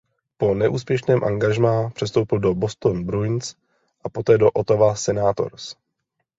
Po neúspěšném angažmá přestoupil do Boston Bruins a poté do Ottawa Senators.